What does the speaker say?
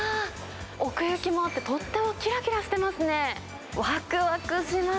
奥行きもあって、とってもきらきらしてますね。